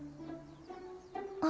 あ。